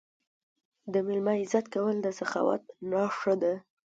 د میلمه عزت کول د سخاوت نښه ده.